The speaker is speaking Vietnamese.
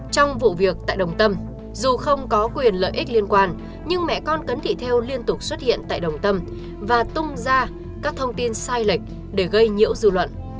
trong vụ việc tại đồng tâm dù không có quyền lợi ích liên quan nhưng mẹ con cấn thị theo liên tục xuất hiện tại đồng tâm và tung ra các thông tin sai lệch để gây nhiễu dư luận